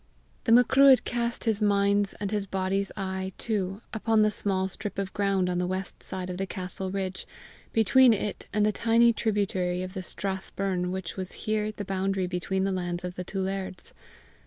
The Macruadh cast his mind's and his body's eye too upon the small strip of ground on the west side of the castle ridge, between it and the tiny tributary of the strath burn which was here the boundary between the lands of the two lairds.